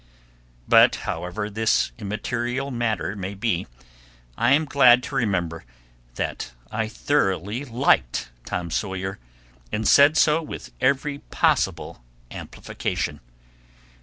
But however this immaterial matter may be, I am glad to remember that I thoroughly liked Tom Sawyer, and said so with every possible amplification.